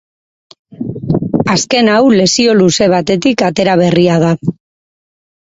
Azken hau lesio luze batetik atera berria da.